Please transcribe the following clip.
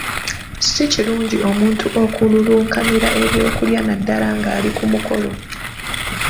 Si kirungi omuntu okululunkanira ebyokulya naddala nga ali ku mukolo.